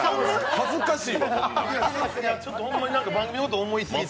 恥ずかしい。